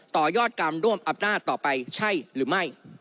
ต่อยอดการร่วมอำนาจต่อไปใช่หรือไม่